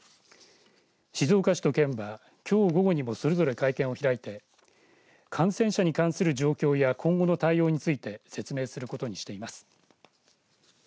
静岡市と県はきょう午後にもそれぞれ会見を開いて感染者に関する状況や今後の対応について説明することにしています。